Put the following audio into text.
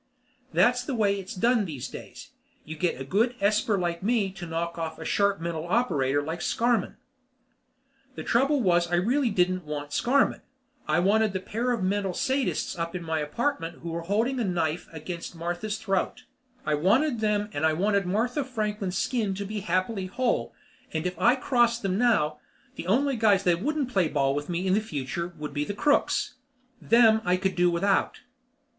That's the way it's done these days. You get a good esper like me to knock off a sharp mental operator like Scarmann. The trouble was that I didn't really want Scarmann, I wanted that pair of mental sadists up in my apartment who were holding a knife against Martha's throat. I wanted them, and I wanted Martha Franklin's skin to be happily whole. And if I crossed them now, the only guys that wouldn't play ball with me in the future would be the crooks. Them I could do without.